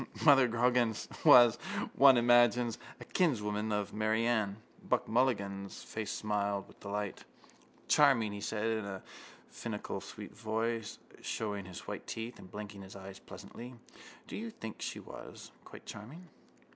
Mother Grogan was, one imagines, a kinswoman of Mary Ann. Buck Mulligan's face smiled with delight. —Charming! he said in a finical sweet voice, showing his white teeth and blinking his eyes pleasantly. Do you think she was? Quite charming!